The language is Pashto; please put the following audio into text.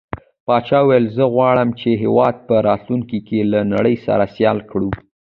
پاچا وويل: زه غواړم چې هيواد په راتلونکي کې له نړۍ سره سيال کړو.